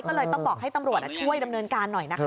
ก็เลยต้องบอกให้ตำรวจช่วยดำเนินการหน่อยนะคะ